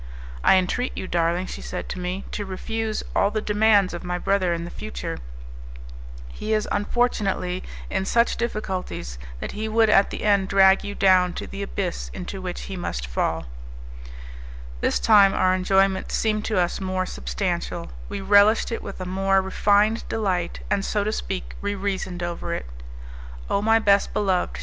"I entreat you, darling," she said to me, "to refuse all the demands of my brother in future; he is, unfortunately, in such difficulties that he would at the end drag you down to the abyss into which he must fall" This time our enjoyment seemed to us more substantial; we relished it with a more refined delight, and, so to speak, we reasoned over it. "Oh, my best beloved!"